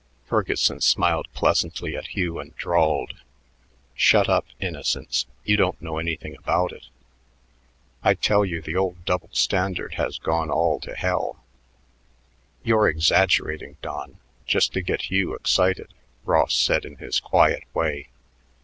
Ferguson smiled pleasantly at Hugh and drawled; "Shut up, innocent; you don't know anything about it. I tell you the old double standard has gone all to hell." "You're exaggerating, Don, just to get Hugh excited," Ross said in his quiet way.